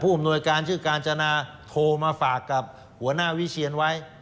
อำนวยการชื่อกาญจนาโทรมาฝากกับหัวหน้าวิเชียนไว้